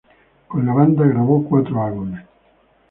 Con la banda grabó cuatro álbumes.